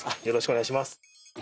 よろしくお願いします